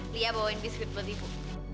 lia bawain biskuit buat ibu